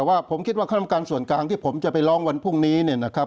แต่ว่าผมคิดว่าคณะกรรมการส่วนกลางที่ผมจะไปร้องวันพรุ่งนี้เนี่ยนะครับ